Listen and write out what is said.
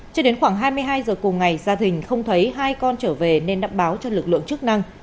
cho đến khoảng hai mươi hai giờ cùng ngày gia đình không thấy hai con trở về nên đã báo cho lực lượng chức năng